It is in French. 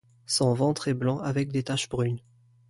Son ventre est blanc avec des taches brunes.